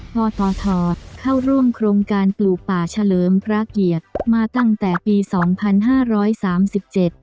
ปตทเข้าร่วมโครงการปลูกป่าเฉลิมพระเกียรติมาตั้งแต่ปีสองพันห้าร้อยสามสิบเจ็ด